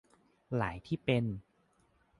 หลายที่เป็น